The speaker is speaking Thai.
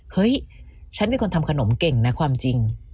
เฮ้ยฉันเป็นคนทำขนมเก่งนะความจริง